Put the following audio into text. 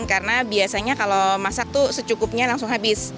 karena biasanya kalau masak tuh secukupnya langsung habis